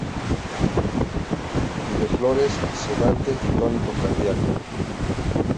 Y de flores sedante y tónico cardíaco.